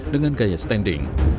dengan gaya standing